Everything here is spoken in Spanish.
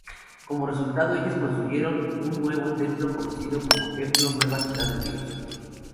Como resultado ellos construyeron un nuevo templo conocido como "Templo nueva ciudad de Dios".